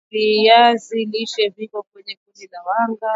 viazi lishe viko kwenye kundi la wanga